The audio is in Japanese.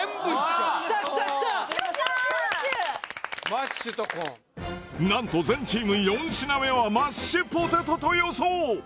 マッシュとコーン何と全チーム４品目はマッシュポテトと予想